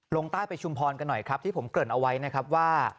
ลงใต้ไปชุมพรกันหน่อยครับที่ผมเกริ่นเอาไว้นะครับว่า